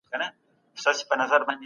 زده کړه د بريا لاره ده.